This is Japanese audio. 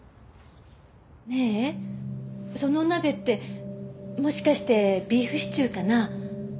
ねえそのお鍋ってもしかしてビーフシチューかな？